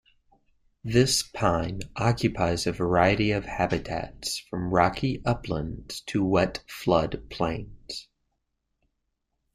This pine occupies a variety of habitats from rocky uplands to wet flood plains.